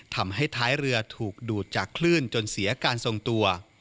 ทำให้ท้ายเรือถูกดูดจากคลื่นจนเสียการทรงตัว